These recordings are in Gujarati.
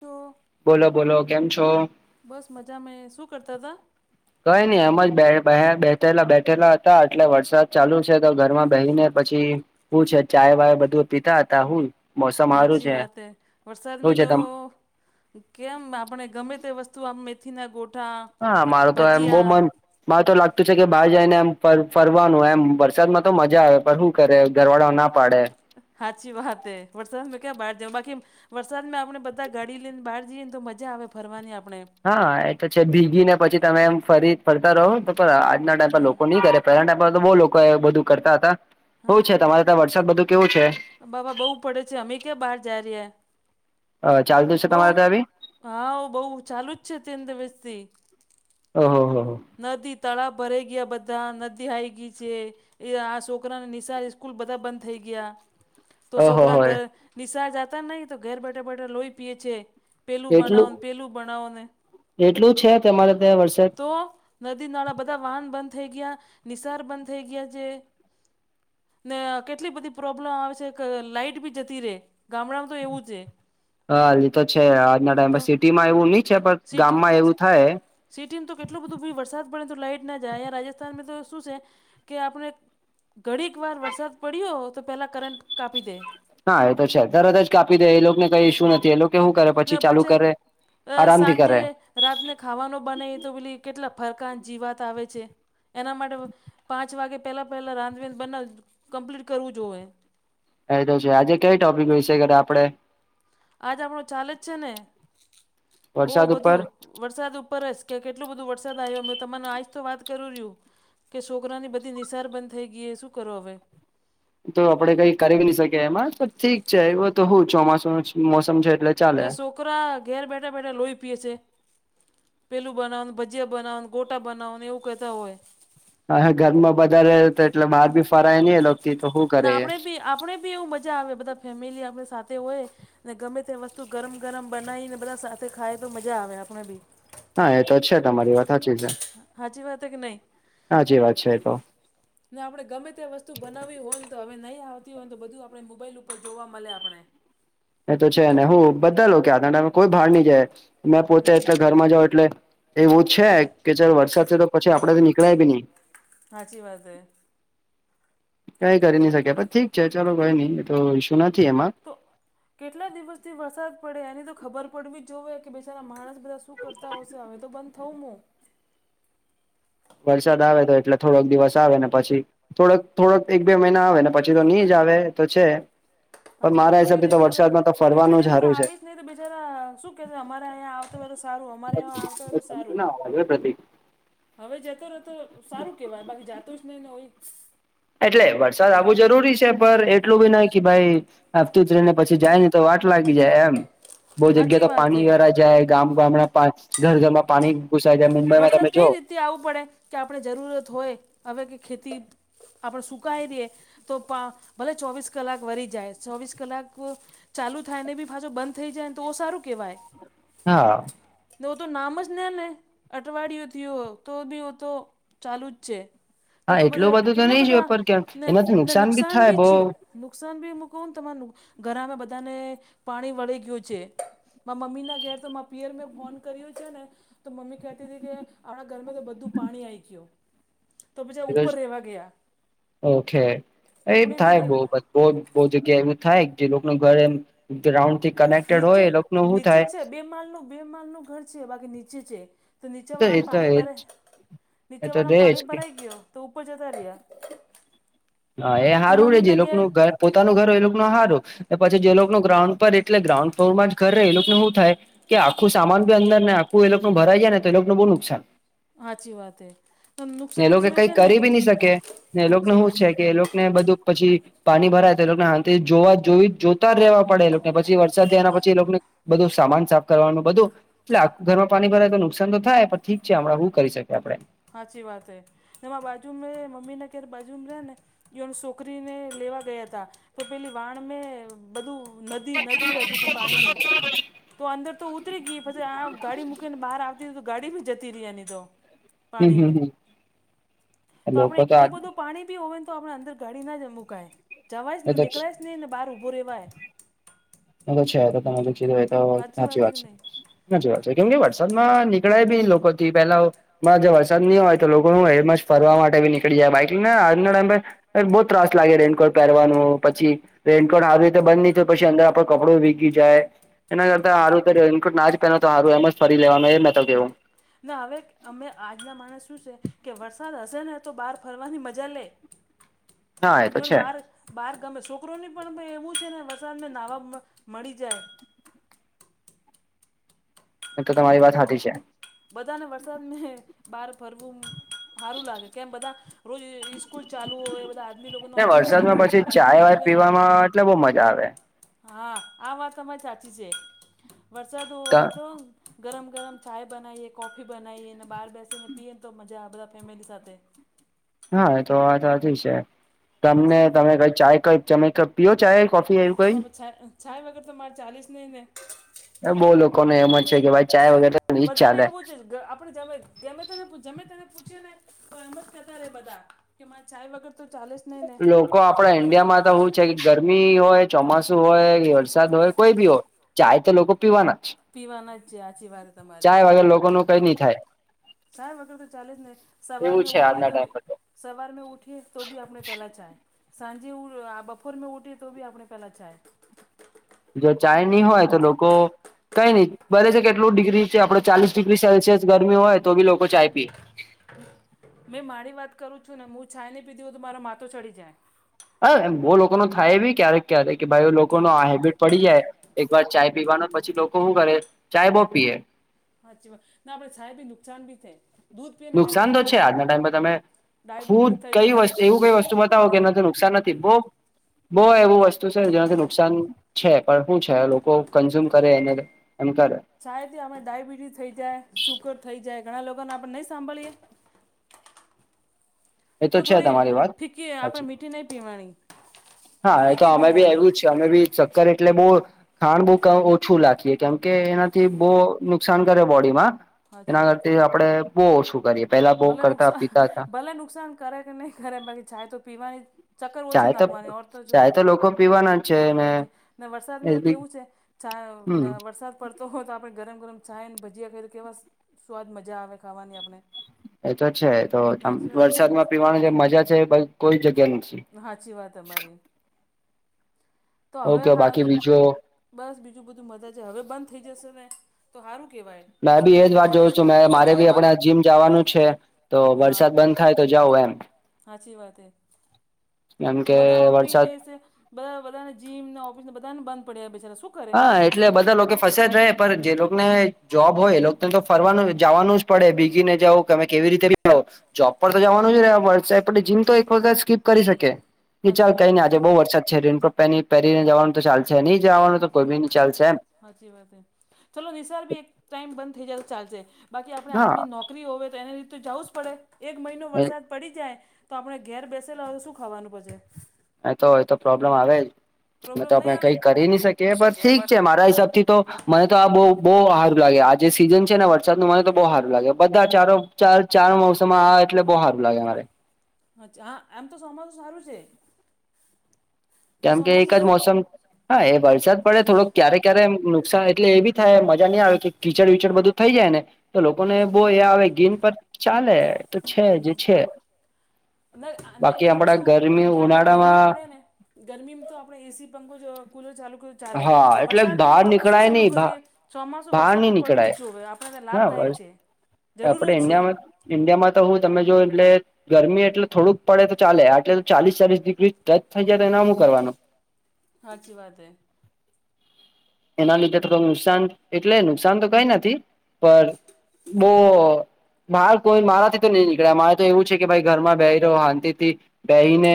તો બોલો બોલો કેમ છો બસ મજા મે શું કરતા હતા કઈ નહી એમ જ બેઠેલા બેઠેલા હતા એટલે વરસાદ ચાલુ છે તો ઘરમાં બેહી ને પછી હું છે ચાય વાય બધું પીતા હતા હું મોસમ હારું અાચચી વાત છે શું વરસાતમાં છે તો તમ કેમ આપણે ગમે તે વસ્તુ આ મેથીના ગોઠા હા મારું તો એમ બહુ ભજીયા મન મારે તો લાગતું છે કે બહાર જઈને એમ ફરવાનું એમ વરસાદમાં તો મજા આવે હું કરે ઘરવાળો ના પાડે હાચી વાતે વટસાઅ મેં ક્યા બાર જા બાકી વરસાદમાં આપણે બધા ગાડી લઈને બહાર જઈએને તો મજા આવે ફરવાની આપણે હા એ તો છે ભીગી ને પછી તમે એમ ફરી ફરતા રહો તો આજના ટાઈમ પર હા લોકો નહી કરે પહેલા ટાઈ તો બહ લોકો એ બધું કરતા હતા હા શું છે તમારે ત્યા વરસાદ બધું કેવું છે બાબા બહુ પડે છે અમે ક્યાં બહાર જઈ રહ્યાએ અ ચાલ બઉ હા બઉ ચાલુ જ છે અત્ય દિવસથી હહ હ નદી તળાવ ભરાઈ ગયા બધા નદી હાઈ ગઈ છે એ આ છોકરાને નિશા સ્કૂલ બધા બંધ થઈ ગયા તો ઓહો છોકરા હોય. ઘર નિશા જાતા નહી તો ઘર બેઠા બેઠા લોહી પીએ છે. પેલું બનાવો એટલું ને પહેલું બનાવો ને એટલું છે તમારે ત્યાં વરસાદ તો નદી નાળા બધા વાહન બંધ થઈ ગયા નિસાર બંધ થઈ ગયા છે ને કેટલી બધી પ્રોબ્લેમ આવે છે કે લાઈટ બી જતી રે ગામડામાં એવું છે હા હ તો છે આજના ટાઈમ તો પર સિટીમાં એવું નઈ છે પણ સિટી ગામમાં એવું થાય સિટીમાં તો કેટલોું બધું ભ વરસાદ પડે તો લાઈટ ના જાય રાજસ્થાનમાં તો શું છે કે આપણે ઘડીક વાર વરસાદ પડ્યો તો પહેલા કરંટ કાપી દે હા એ તો છે તરત જ કાપી દે એ લોકોને કઈ ઇશ્યુ નથી એ લોકો શું કરે પછી ચાલુ કરે અ આરામથી સાંજે કરે રાતને ખાવાનો બનાવી તો પેલી કેટલા ફરકાાન જીવાત આવે છે એના માટે પાંચ વાગે પહેલાં પહેલાં રાંધવેંધ બને કમ્પ્લીટ કરવું જોઈએ એ તો છે આજે કઈ ટોપિક વિશે કર આપડે આજ આપણો ચાલે જ છે ને ઓ વરસાદ ઉપર બધું વરસાદ ઉપર જ કે કેટલોું બધું વરસાદ આવ્યો મે તમાને આજ તો વાત કરું રહ્યું કે છોકરાની બધી નિસાર બંધ થઈ ગઈ એ શું કરો હવે તો આપડે કઈ કર નહી શકીએ એમાં તો ઠીક છે એ તો હું ચોમાસું ન મોસમ છે એટલે ચાલે. ને છોકરા ઘેર બેઠા બેઠા લોહી પીએ છે પેલું બનાવવાને ભજીયા બનાવોને ગોટા બનાવોને એવું કહેતા હોય હ ઘરમાં બારે એટલે બહાર ભી ફરાય નહી એ લો તો શું ના કરે આપણે બી આપણે બીવું મજા જા આવે બધા ફેમિલી આપણે સાથે હોય ને ગમે તે વસ્તુ ગરમ ગરમ બનાવીને બધા સાથે ખાય તો મજા આવે આપણે બી હા એ તો છે તમારી વાત સાચી છે સાચી વાત કે નહીં. સાચી વાત છે તો ને આપણે ગમે ત્યા વસ્તુ બનાવી હોય તો હવે નહીં આવતી હોયને તો બધું આપણે મોબાઈલ ઉપર જોવા મળે આપણે એ તો છે ને હું બધા લોકો આ ત કોઈ ભાર નહી જાય મે પોતે સાચી એટલે વાત. ઘરમાં જાવ એટલે એવું છે કે ચાલ વરસાદ છે તો પછી આપડે તો નીકળાય બી નઈ સાાચી વાત છે કઈ કરી ન શકે પ ઠીક છે ચાલો કોઈ નઈ તો ઈશ્યુ નથી એમાં તો કેટલા દિવસથી વરસાદ પડે એની તો ખબર પડવી જ જોએ કે બેચારા માણસ બધા શું કરતા હશે હવે તો બંધ થવું મ વરસાદ આવે તો એટલે થોડોક દિવસ આવે ને પછી થોડક થોડક એક બે મહિના આવે પછી તો નહી જ આવે તો છે પણ હાજીી ભાઈ મારા કેટલી હિસાબથી તો જગ્યા વરસાદમાં તો કેટલી ફરવાનું જ જગ્યા તો સારું છે આવી જ નહી તો બજારા શું કે અમારે અંયા આવતો હોય તો સારું અમારે અ આવતું હોય તો સારું પ્રગતિ હવે જતો રહેતો સારું કેવાય બાકી જાતો જ નહ ને હોય એટલે વરસાદ આવો જરૂરી છે પણ એટલું બી નાહી કે ભાઈ આવતું જ ર ને પછી જાયને તો વાટ લાગી જાય એમ બહુ જગ્યા સાચી તો વાત પાણી એ વારા જાય ગામ ગામડા ઘર ઘરમાં પાણી ઘૂસાય જાય મુંબઈમાં વરસાદ તમે કઈ જો રીતે આવવું પડે કે આપણે જરૂરત હોય હવે કે ખેતી આપણે સુકઈ રઈએ તો ભલે ચોવીસ કલાક વરી જાય ચોવીસ કલાક ચાલુ થાયને બી પાછો બંધ થઈ જાય ને તો સારું કેહેવાય હા વ તો નામ જ ને અઠવાડિયુંથી તો બી તો ચાલુ જ છે તો હા તો એટલું બધા બધું તો કેટલા નહી જોય બધા પર કેમ એનાથી નેને બી નુકસાન થાય ભીયો બહ નુકસાન ભીું કહું ને તમાર ઘરામાં બધાને પાણી વળી ગયું છે મા મમ્મી ના ઘર તો મા પિયર મેં ફોન કર્યો છે ને તો મમ્મી ક કે આપણા ઘરમાં તો બધું પાણી આવી ગું જ ઓકે એ ઉપને બી થાય બહ બધા બહ જ બહુ જગ્યા એવું થાય જે લોકો ઘરે રાઉન્ડ થી કનેક્ટેડ હોય નીચે એ લોકો ન શું નીચે થાય જ છે બે માલનો બે માલ નું ઘર છે બાકી નીચે છે તો એ નીચેવાળામાં તો પાણી ભરા એ તો નીચેવાળામાં રેજ પાણી ભરાઈ ગયો તો ઉપ ઉપર જતા રહ્યા હા એ તો સારું રે છે મમ્મીના ઘેર લોકોનું ઘર પોતાનું ઘર એ ન હારો પછી જે લોકોું ગ્રાઉન્ડ પર એટલે ગ્રાઉન્ડ ફ્લોરમાં જ ઘર ર એ લોકોને શું થાય કે આખું સામાન બી અંદર ને આખું એ લોકો નું ભરાઈ જાય ને તો એ લોકોને બહુ નુકસાન સાચી વાત હે એને નુકસાન લોકો થયું કઈ છે ને કરી બી નહી શકે ને એ લોકોને સાચી હું વાત હે એ લોકો ને બધું પછી પાણી ભરાય તો એ લોકોને હા જોવા જોવી જ જો ઉતાર રહેવા પડેને પછી વરસાદ થયાના પછીને બધું સામાન સાફ કરવાનું બધું એટલે આ ઘરમાં પાણી ભરાય તો નુકસાન તો થાય પણ ઠીક છે હમણાં કરી શકે આપડે સાાચી વાત હ નેમાં બાજુમાં રહે મમીને કેર બાજુમાં રહે ને ન છોકરીને લેવા ગયા હતા તો પેલી વાણ મેં બધું નદી નદી વહેતી ત પાણીની તો અંદર તો ઉતરી ગઈ પછી આ ગાડી મૂકીને બહાર આવતી હતી તો ગાડી ભી જતી રહી એ નિ તો હમ પાણી હમ મે હમ તો આપણે લોકો આ એટલું બધું. પાણી બી હોય ને તો આપણે અંદર ગાડી ના જ મુૂકાય જવાય જ એ ને તો નીકળે જ નહીંને બહાર ઊભો રહેવાય. અ તો છે એ તો તો છે એ તો સાચી વાત વા કે છે. નહીં ના જવાય છે કેમ કે વરસાદ માં નીકળે બી લોકો પેલા જે વરસાદ નહી હોય તો લોકો હું હેમ જ ફરવા માટે નીકળી જાય બાકને આજના ટાઈમ. બહુ ત્રાસ લાગે રેનકોટ પહેરવાનું પછી રેનકોટ આવી રીતે બંધ નહી થય પછી અંદર આપન કપડું ભીગી જાય એના કરતા સાચી વાત હારું તો રેનકોટ નાજ પહેરો તો સારું હૈ એમ જ ફરી લેવાનું એ મેં તો કેવું. ને હવે અમે આજના માણસ શું છે. કે વરસાદ હશે ને તો બહાર ફરવાની મજા લે. [inaudible] વન છે બાર બહાર ગમે છોકરોને પણ એવું છે ને વસાતને નહવા મળી જાય. એમ તો તમારી વાત હાચી છે. બધાને વરસાદ મે બહાર ફરવું હારું લાગે કેમ બધા રોજ સ્કૂલ ચાલુ હોય બધા આદમી ને લોકોનો ઓફિસ ચાલુ વરસાદમાં હોય તો પછી ટાઈમ ચાય મળતો વાય નહીં ને. પીવામાં એટલે બહુ મજા આવે. હા આ વાત તમારી સાચી છે વરસાદ હો તો. ગરમ ગરમ ચાય બનાવીએ કોફી બનાવીએ ને બહાર બેસીને પીએ ને તો મજા બધા ફેમિલી સાથે હા તો વા તો છે. તમને સાચી વાત છે તમે કઈ ચાય કઈ ત પીર ચાય કોફી એું કઈ? ચાચ વગર તો મારે ચાલેજ નિ ને બહુ લોકોને એમ જ છે કે ભાઈ ચાય વગેર બધા ને એવું જે. જ ગમે તનેમે તને પૂછી ને તો એમજ કેતા રે બધા કે મા ચાય વગર તો ચાલેજ નહી ને. લોકો આપણા ઈન્ડિયામાં તો શું છે કે ગરમી હોય ચોમાસુ હોય વરસાદ હોય કોઈ બી હોય ચાય તો લોકો પીવાના જ. પીવાના છે હાચી વાત. તમારી ચાય વાગર લોકો ન કઈ નહી થાય. ચાય વગર તો ચાલે જને એવું સવારમાં છે ઉઠીએ આજના તો બી ટાઈમ પર સવાર મે ઊઠીયે તો ભી આપને પહેલા ચાય સાંજે બપોર મે ઉઊઠ તો ભી આપને પહેલા ચાય જો ચાય નહી વગર હોય તો નહીં લોક કો કઈ નઈ બલે છે કેટલું ડિગ્રી છે આપડ ચાલીસ ડિગ્રી સેલ્સિયસ ગરમી હોય તો બી લોકો ચાય પીએ [inaudible] [inaudible] મેં મારી વાત કરું છું ને હું ચાય નહી પીધી હો તો મારુ માથુ ચડી જાય. હ એમ બહુ લોકો ન થાય એ બી ક્યારેક ક્યારેક કે ભાઈ લોકો ન આ હેબિટ પડી જાય. એક વાર ચાય પીવાનો પછી લોકો શું કરે ચાય બહુ પીએ સાચી વાત ના આપડે ચાય બી નુકસાન ભી થાય. દૂધ પીએ ને એનાથી નુકસાન તો છે સારું આજના ટાઈમ પર તમે ફુ ડાયાબિટીસ થઈ કઈ જાય વસ્તુ એવું કઈ વસ્તુ બતાવો કે નથી. નુકસાન નથી બો બહ એવું વસ્તુ છે જેનાથી નુકસાન છે પણ શું છે લોકો કન્ઝ્યુમ કરે એને હાનિકારે. ચાયથી આપણે ડાયયાબિટીસ થઈ જાય સુગર થઈ જાય ઘણા લોકોને આપણે નહી સાંભળીયએ. એ તો છે થોડી તમારી વાત ફીકી આપણે હચી મીઠી નહીં પીવાની હા એ તો ફીકી અમે બી પીવાની આવ્યું છે તમે બી ચક્કર એટલે બહુ ખાંડ બહુ ક ઓછું લખીએ કેમ કે એનાથી બહુ નુકસાન કરે બોડીમાં સાચી એના વાત હે કરતી આપડે બો ઓછું કરીએ. પેલા બહુ ભલે કરતા નુકસાન પીતા હતા ભલે નુકસાન કરે કે નહી કરે બાકી ચાય તો પીવાની શક્કર ઓછી ચાય તો નાખવાની ઓર તો જો ચાય લોકો પીવાના જ છે ને વરસાદ એ તો બી કેવું છે. ચા હમ વરસાદ પડ. તો હો તો આપણે ગરમ ગરમ છાય અને ભજીયા ખીએ તો કેવા સ્વાદ મજા આવે ખાવાની આપણે એ તો છે તો સાચી વાત હે કે નહીં વરસાદમાં પીવાની જે મજા છે એ કોઈ જગ્યા નથી સાચી વાત અમારી તો હવે ઓકે હાલ બાકી બીજો બસ બીજું બધું મજા છે હવે બંધ થઈ જશે ને તો સારું કહેવાય મેં બી છોકરા એજ વાત લોકોની જોઉં છું સ્કૂલ મે તો સ્કૂલ મારે બી આપણે જીમ જવાનું છે તો વરસાદ બંધ થાય તો જાવ એમ સાાચી વાત એ એમ તો કે બધા વરસાદ ઓફિસ બધા બધાને જીમ ઓફિસને બધાને બંધ પડ્યા બેચારા શું હા એટલે બધા લોકો ફસે જ રે જે લોકોને જોબ હોય એને તો ફરવાનું જવાનું જ પડે ભીગીને જાવ તમે કેવી રીતે જોબ પર તો જવાનું જ ર વર્સા જીમ તો એક વખત સ્કીપ કરી શકે એ ચાલ સાચી કઈ વાત નઈ એ આજે બહુ વરસાદ છે રીન પ પહેરીને જવાનું તો ચાલશે નહી જવાનું તો કોઈ બી નહી ચાલશે એમ સાચી વાત છે ચાલલો નિસાર બી એક ટાઈમ બંધ થઈ જ ચાલશે બાકી આપણે હા આજમી નોક રી હો તો એને રીતે જવું જ પડે એક મહિનો વરસાદ પડી જાય તો આપણે ઘેર બેસેલા હોય તો શું ખાવાનું પશેે અ તો એ તો પ્રોબ્લેમ આવે જ મે પ્રોબ્લેમ તો આપણે નહીં આવે કઈ કરી ન શકીએ પણસ ઠીક છે મારા હિસાબથી તો મને તો આ બહ બહ સારું લાગે આજે સીઝન છે ને વરસાદ નું મને તો બહુ સારું લાગે બધા ચારો ચાર ચાર મોસમ આવે એટલે બહુ સારું લાગે મારે અચ્છા હા આમ તો સોમાસું સારું છે ને કેમ કે ચોમાસામાં એક જ મોસમ હા એ વરસાદ પડે થોડોક ક્યારે ક્યારે નુકસાન એટલે એ બી થાય મજા નહીં આવે કે કીચડ વિચડ બધું થઈ જાય ને તો લોકોને સાચી બો હ ગિન પર ચાલે તો છે જે છે બાકી એમ આપડા શું ગરમી કે આપણે ગરમી ઉનાળામાં પડે ને ગરમીમાં તો આપણે એસી પંખો કુલર ચાલુ કર ચાલે હા એટલે વરસાદ મે બહાર તો આપણે શું નીકળાય સલું નહી કરીએ ચોમાસું બહાર વરસાદ નહી તો પડવું જ નીકળાય જોઈએ આપ તો હા લાભદાયક છે જરૂર આપડે જ છે ઇન્ડિયામાં ઈન્ડિયામાં તો હું તમે જો એટલે ગરમી એટલે થોડુંક પડે તો ચાલે આટલે ચાલીસ ચાલીસ ડિગ્રી ટચ થઈ જાય તો એને આમું કરવાનું હાચી વાત હૈ એના લીધે થોડું નુકસાન એટલે નુકસાન તો કઈ નથી પણ બહ બાર કોઈ મારાથી તો નહી નીકળ્યા મારે તો એવું છે કે ભાઈ ઘરમાં બેય રહો હાંતિ થી બેહી ને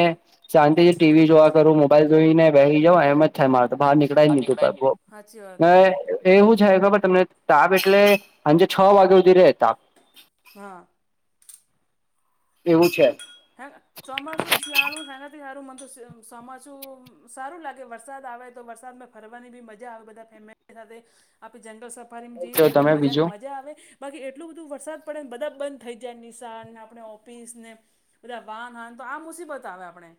શાંતિથી ટીવી જોવા કરું મોબાઈલ જોઈને બેસી જાઓ એમ જ થાય માર તો બહાર નીકળ ચડા નીકળાય ની નહી હાચી વાત હ હે એવું જ હ ખબર તમને તાપ એટલે સાંજે છ વાગ્યા સુધી રે તાપ હા એવું છે હેંગ ચોમાસું ચિયાલું હેંગથી હયારું મંત ચોમાસું સારું લાગે વરસાદ આવે તો વરસાદમાં ફરવાની બી મજા આવે બધા ફેમિલી સાથે આપે જંગલ સ ારી જઈએ જો તો બધા તમે મજાને બીજું મજા આવે બાકી એટલોું બધું વરસાદ પડે ને બધા બંધ થઈ જાય નિશાન ને આપણે ઓફિસ ને બા વાન હાન તો આ મુસીબત આવે આપણે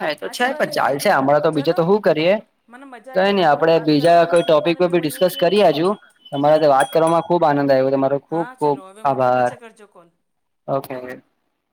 હા એ તો છે સાચી વાત પણ હે કે ચાલ નહી છે હમણાં તો બીજે ચલો તો શું કરીએ મને મજા આવી કઈ નઈ તમારી સાથે આપડે વાત બીજા કરવાની કોઈ ટોપિક શીખવાનું બી મળ્યું ડિસ્કસ છે કરી હજુ તમારે વાત કરવામાં ખુબ આનંદ આવ્યોરો ખુબ હા ખુબ ચલો હવે મૂકી આભાર પાછા કરજો કોલ ઓકે